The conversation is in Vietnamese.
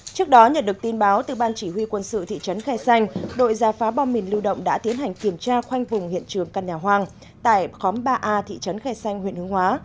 trước đó nhận được tin báo từ ban chỉ huy quân sự thị trấn khai xanh đội gia phá bom mình lưu động đã tiến hành kiểm tra khoanh vùng hiện trường căn nhà hoang tại khóm ba a thị trấn khe xanh huyện hướng hóa